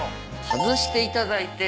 外していただいて。